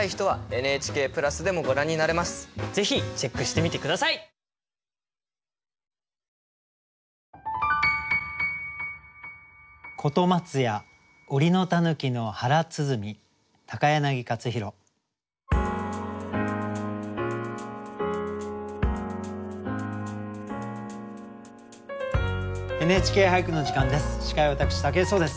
「ＮＨＫ俳句」の時間です。